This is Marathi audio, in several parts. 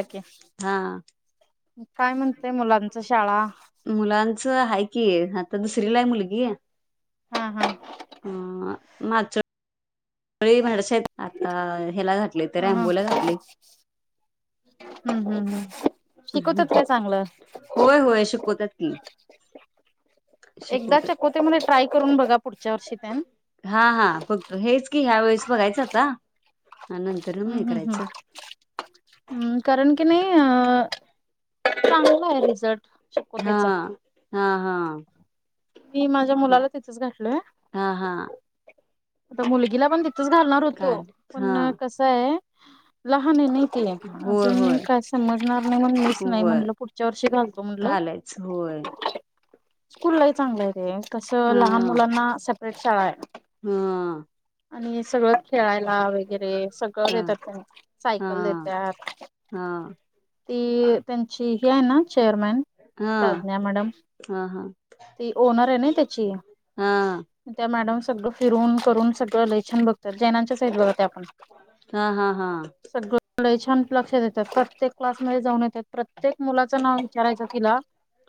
ओके. काय म्हणतेय मुलांच शाळा मुलांच हाय कि दुसरीला हाय मुलगी हा हा अ मागच्या ळी म्हडसा आता ह्याला घाटलयं इथं ह ह रॅमबोला घाटलयं. हम्म हम्म हम्म शिकवतात काय चांगलं होय होय शिकवतात की. एकदा शिकवत्यात चकोतेमध्ये ट्राय करून बघा पुढच्या वर्षी त्यान हा हा फक्त हेच कि ह्या वेळेस बघायचं आता, हा नंतर मग हे हम्म हम् करायचं हम् हम् कारण की नाही अ चांगलं आहे रिझर्ट. हा हा हा हा. मी माझ्या मुलाला बघायचं तिथंच घातलोय हा हा. आता मुलगीला पण तिथंच घालणार होतो काल हा पण कसं आहे लहान आहे नई. की नाही होय अजून होय काय समजणार नाही म्हणुन मीच नाही होय म्हटलं पुढच्या वर्षी घालतो म्हटलं. घालायच होय स्कूल लई चांगलं आहे ते. हा कसं लहान मुलांना सेपरेट शाळा आहे हा. आणि सगळं खेळाय ला वगैरे सगळं हा देतात त्यांनी सायकल हा देतात. हा ती त्यांची ही आहे ना चेअरमॅन हा हा प्रज्ञा मॅडम हा हा ती ओनर आहे ना त्याची त्या मॅडम सगळं फिरून करून सगळं लय छान बग तात, जैनांच्याच आहेत बघा त्या पण, हा हा हा सगळ लई छान लक्ष देतात प्रत्येक क्लासमध्ये जाऊन येतात प्रत्येक मुलाचं नाव विचारायचं तिला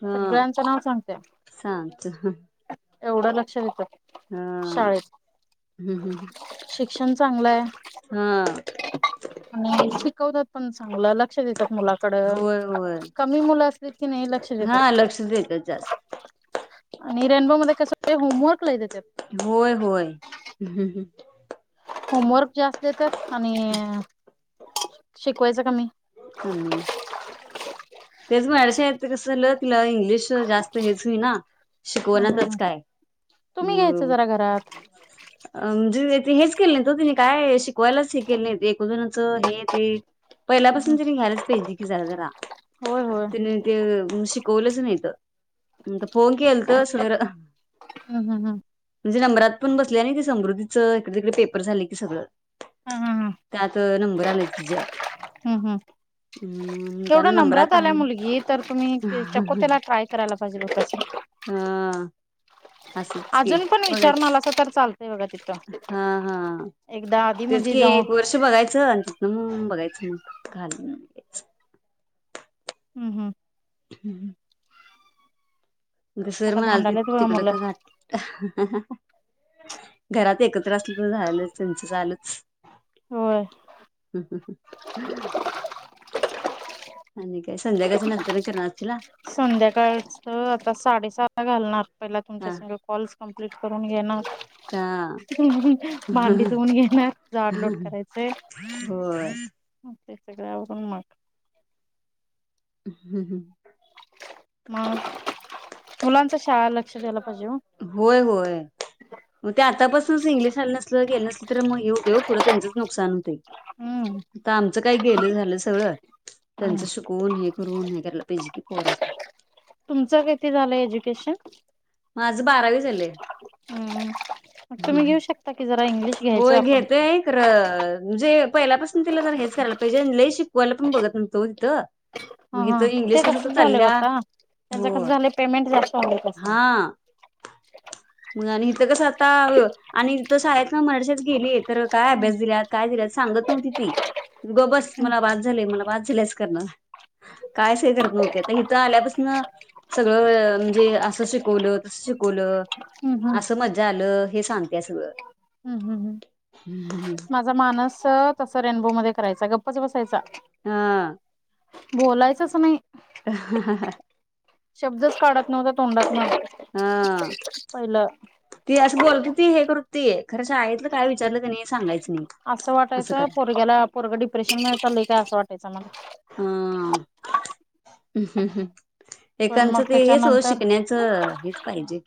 हा सगळ्यांचं नाव सांगतेय सांच एवढं लक्ष देतात हा हम्म हम्म हम् फॲशन चांगलं आहे हा वतात पण चांगलं लक्ष द मुलाकड होय होय कमी मुलं असली की नाही लक्ष हा लक्ष देतात जास्त आणि रेनबो मध्ये कस होमवर्क लायत त्या होय होय् होमवर्क जास्त येत आणि शिकवायचं कमीी कमी तेच मॅडसा आहेत कस झालं तिला इंग्लिश जास्त हेच हो हम्म हम्म शिकवच काय तुम्ही घ्यायचं जरा घरात अ म्हणजे हेच केलं नाही त तिने काय शिकवायलाचिक केले एकोण जणच हे ते हम्म पहिल्यापासून हम्म तने घ्यायलाच पाहिजे की झालं तर रा होय होय तने ते शिकवलंच नाहीत फोन केल तर समीर हम्म हम्म हम्म तुझे नंबरात पण बसल्याय क समृधीं इकडे तिकडे पेपर झाले की सगळं हम्म हम्म हम्म त्यात नंबर आलाय तिझ हा हा एवढा नंब्रात नंबरात आला आहे. मुलगी तर तुम्ही हा चकोतेला ट्राय करायला पाहिजेल हो त्याच हा असंच की अजून पण विचारून बघायच आलासा तर चालतंय बघा तिथं हा हा एकदा आधी तेच मधी की जाऊन एक वर्ष बघायचं अ त ना मग बघायचं मग खालघायच हम् हम्म हम् सर आता माल त भांडायल्यात बघा तकड मुलं का का घरात एकत्र असलं तर झालं त्यांच चालूच होय आणि काय संध्याकाळच्या नंतर करणार असशीला? संध्याकाळच आ आता साडेसहा घालणार पहिला तुमच्या हा सगळे कॉल्स कम्प्लीट करून घेणार का भांडी देऊन घेणार जाडलोट करायचे हो सगळ्यावरून मग हम्म हम्म मग मुलांच शाळा लक्ष द्यायला पाहिजे होय होय मग ते आतापासूनच इंग्लिश आलं नसल गेलं नसलं तर मग येऊ देऊ पुढं त्यांचंच नुकसान होत हम्म आता आमचं काही गेलं झालं सगळं त्यांच हम्म शिकवून हे कररून हे करायला पहिजे की पोर तुमचं किती झालं एज्युकेशन आज बारावी झाले हम्म मग तुम्ही घेऊ शकता की जरा इंग्लिश घ्यायचं होय आपण घेतोय खरं जे पहिल्यापासून तिला जर हेच करायला पाहिजे लय शिकवायला पण बघत न्हतो तिथं ह मग इथं हा ते इंग्लिश कसं कसच तर झालं चालल्या होता त्याच हो कस झालं पेमेंट जास्त वा कस हा मग आणि हिथं कसं आता आणिथ शाळेत ना मरासेच गेली तर काय हम्म अभ्यास दिल्यात काय दिल्यात सांग सांगत नव्ह ति ती ग बस मला वाद झाली मला वाद झालीच करणार कायच हे करत नव्हती आता हथं आल्यापासून सगळं म्हणजे अस शिकवलं तसं शिकवलं हम्म असं मज्जा आलं हे सांगत्या सगळं हम्म हम्म हम् हम्म. माझा मानस तसं रेनबो मध्ये करायचा गप्पच बसायचा हा. बोलायचाच नई. ह ह. शब्दच काढत नव्हता तोंडात्न हा ती असं बोलत हुती हे करू ती खरं शाळेतलं काय विचारलं की नइ सांगायचं. नाही असं वाटायचं पोरग्याला पोरगं डिप्रेशन म चालय काय असं वाटायचं मला हा हम् हम्म हम्म पण एकांच मग ते हेच त्याच्यानंतर शिकण्याचं हेच पाहिजे.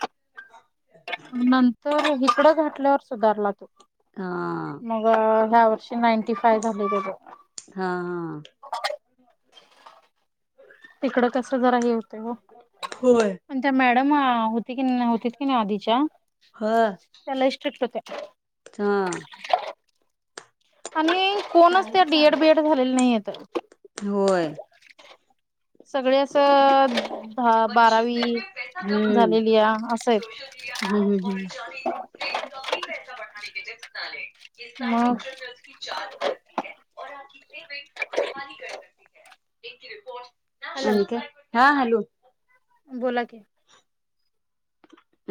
नंतर हिकडं घातल्यावर सुधारला तो हा. या वर्षी नाइंटी फाइव्ह झालंय तझं हा तिकडं कसं जरा हे हुतय ओ पण त्या मॅड मॅडम हुती की नव्हतीत की नाय आधीच्या ह त्या लय स्ट्रिक्ट हुत्या हा. आणि कोणच त्या डीएड बीएड झालेल्या नाहीत अ होय. सगळे असं दहा बारावी झालेल्या आ सोशल मीडिया पर ये काय मग कक्षकी जाल मिततीै आप इने वेट कमली कर सकत एक हॅलो रिपोर्ट अक हा हॅलो. बोला की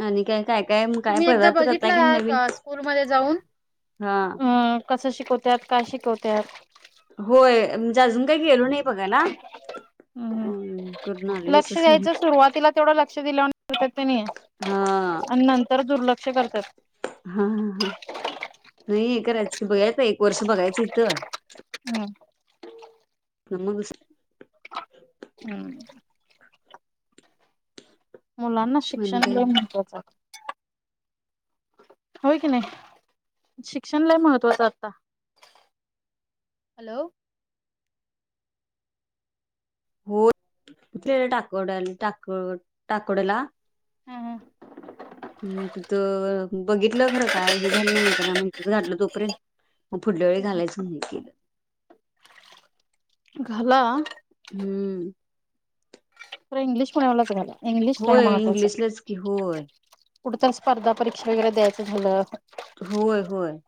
आणि काय? काय काय काय तुम्ही एकदा पदार्थ करताय बघितला की नवीन का स्कूल मधे जाऊन हा अ कसं शिकवत्यात काय शिकवत्यात. जाजून काय गेलो नाही बघायला. हम् हम अं करून आलो नस लक्ष द्यायचं सुरुवातीला तेवढं लक्ष दिलं करत्यात तनी अन नंतर दुर्लक्ष. करतात हा हा. नाही हे करायचं की बघायचं एक वर्ष बघायचं इथं. मगस हम्म. मुलांना म्हणे शिक्षण काय लय महत्त्वाचय. होय की नाय शिक्षण लय महत्वाचय आता हॅलो. हो कुठे टाकावड्या टाकव टाकवड्याला हम हम. हम तिथं बघितलं खरं काय हे झालं नाही म्हणताना मग हिकडं घातलं तोपर्यंत मग पुुढल्या वेळी घालायचं नाही केलं. घाला. हम्म. तररा इंग्लिश पण एवच झाला. इंग्लिश लय होय महत्त्वाचं इंग्लिशलाच की होय कुट तर स्पर्धा परीक्षा वगैरे द्यायचं झालं. होय होय.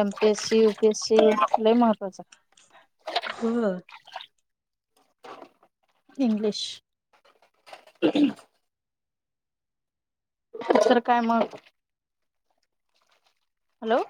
M P S C U P S C लय महत्वाचं. ह. इंग्लिश. तर काय मग हॅलो.